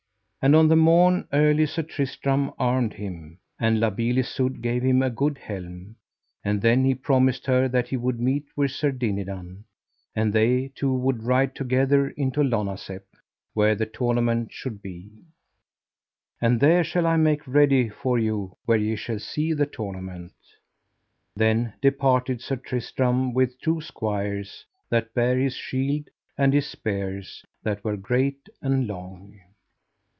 And on the morn early Sir Tristram armed him, and La Beale Isoud gave him a good helm; and then he promised her that he would meet with Sir Dinadan, and they two would ride together into Lonazep, where the tournament should be: And there shall I make ready for you where ye shall see the tournament. Then departed Sir Tristram with two squires that bare his shield and his spears that were great and long.